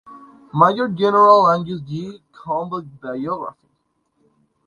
Major General Angus J. Campbell Biography